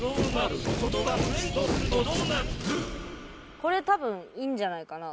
これ多分いいんじゃないかな？